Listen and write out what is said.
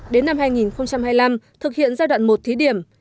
đến năm hai nghìn hai mươi năm thực hiện giai đoạn một thí điểm